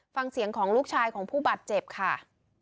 ฟังเสียงของลูกชายของผู้บาดเจ็บค่ะ